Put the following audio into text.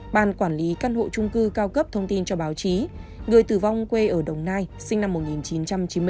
ban quản lý căn hộ trung cư cao cấp thông tin cho báo chí người tử vong quê ở đồng nai sinh năm một nghìn chín trăm chín mươi ba